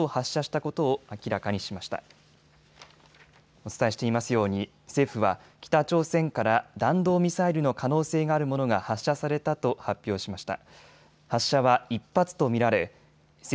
お伝えしていますように政府は、北朝鮮から弾道ミサイルの可能性があるものが発射されたと発表しました。